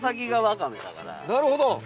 なるほど！